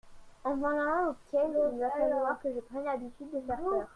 En voilà un auquel il va falloir que je prenne l'habitude de faire peur.